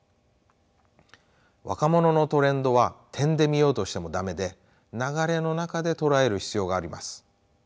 若者のトレンドは点で見ようとしても駄目で流れの中で捉える必要があります。